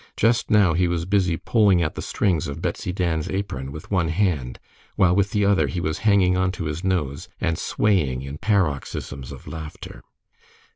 Just now he was busy pulling at the strings of Betsy Dan's apron with one hand, while with the other he was hanging onto his nose, and swaying in paroxysms of laughter.